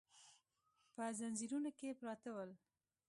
په ځنځیرونو کې پراته ول.